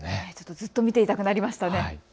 ずっと見ていたくなりますね。